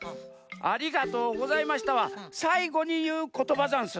「ありがとうございました」はさいごにいうことばざんす。